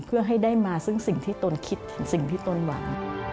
เพื่อให้ได้มาซึ่งสิ่งที่ตนคิดถึงสิ่งที่ตนหวัง